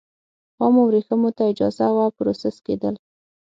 خامو ورېښمو ته اجازه وه پروسس کېدل.